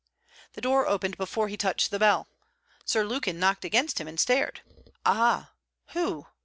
The door opened before he touched the bell. Sir Lukin knocked against him and stared. 'Ah! who